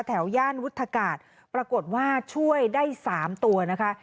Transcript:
ย่านวุฒากาศปรากฏว่าช่วยได้๓ตัวนะคะ